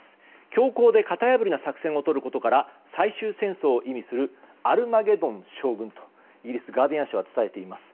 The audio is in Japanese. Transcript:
強硬で型破りな作戦をとることから最終戦争を意味するアルマゲドン将軍とイギリス、ガーディアン紙は伝えています。